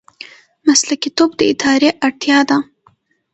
مسلکي توب د ادارې اړتیا ده